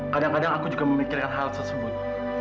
kadang kadang aku juga memikirkan hal tersebut